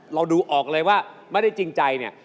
เราดูออกเลยว่าไม่ได้จริงใจเนี่ย